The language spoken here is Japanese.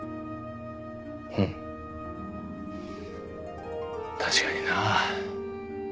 うん確かになあ。